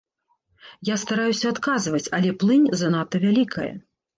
Я стараюся адказваць, але плынь занадта вялікая.